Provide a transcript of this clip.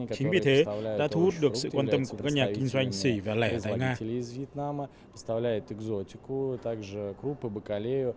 chính vì thế đã thu hút được sự quan tâm của các nhà kinh doanh xỉ và lẻ tại nga